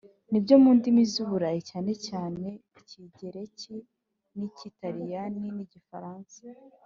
nibyo mu ndimi z’i Burayi cyanecyane ikigereki n’ikilatini n’igifaransa.